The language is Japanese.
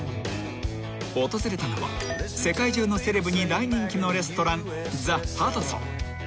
［訪れたのは世界中のセレブに大人気のレストラン］